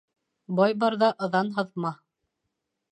Бай барҙа ыҙан һыҙма